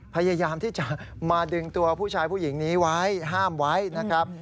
พยายามที่จะมาดึงตัวผู้ชายผู้หญิงนี้ไว้ห้ามไว้นะครับ